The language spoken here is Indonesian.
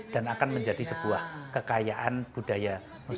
dan akan menjadi sebuah kekayaan budaya